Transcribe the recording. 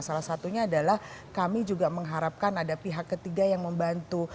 salah satunya adalah kami juga mengharapkan ada pihak ketiga yang membantu